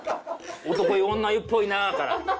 「男湯女湯っぽいな」から。